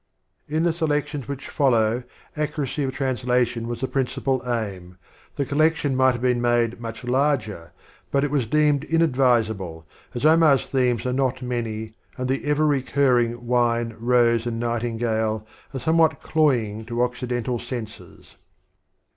In the selections which follow, accuracy of translation was the principal aim ; the collection might have been made much larger, but it was deemed inadvisable, as Omar's tliemes are not many, and the ever recurring Wine, Rose, and Nightingale are somewhat cloying to Occidental senses.